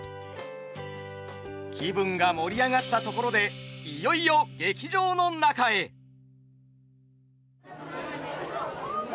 気分が盛り上がったところでいよいようわ。